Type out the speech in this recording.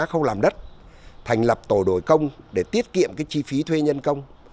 khâu làm đất thành lập tổ đổi công để tiết kiệm chi phí thuê nhân công